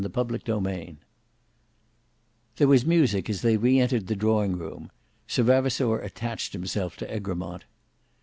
Book 2 Chapter 2 There was music as they re entered the drawing room. Sir Vavasour attached himself to Egremont.